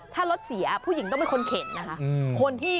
ถ้ารถเสียผู้หญิงต้องเป็นคนเข็นนะคะ